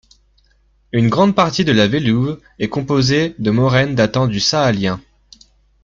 Une grande partie de la Veluwe est composée de moraines datant du Saalien.